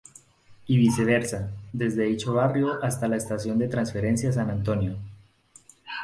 Y viceversa, desde dicho barrio hasta la Estación de transferencia San Antonio.